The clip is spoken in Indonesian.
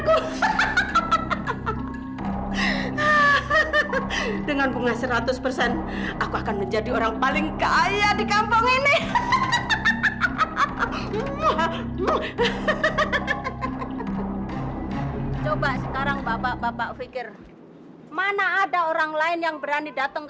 ke kittik hoorah hingga tiga minggu botanikum program